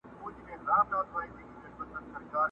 ګاونډیان خپلوان در یاد کړه بس همدغه راز پریږدي دي!.